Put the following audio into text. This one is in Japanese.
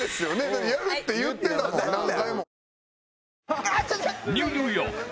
だってやるって言ってたもん何回も。